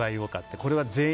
これは全員？